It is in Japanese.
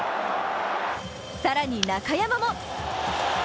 更に中山も。